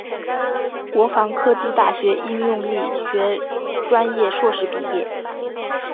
国防科技大学应用力学专业硕士毕业。